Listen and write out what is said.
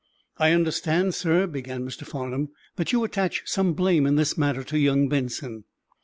"I understand, sir," began Mr. Farnum, "that you attach some blame in this matter to young Benson?"